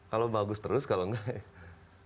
kalau bagus terus kalau enggak ya